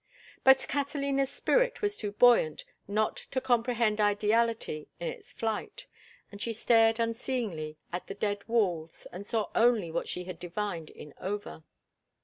But Catalina's spirit was too buoyant not to comprehend ideality in its flight, and she stared unseeingly at the dead walls and saw only what she had divined in Over.